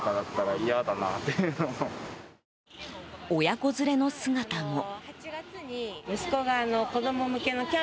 親子連れの姿も。